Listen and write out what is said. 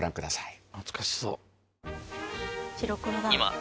淵織懐かしそう。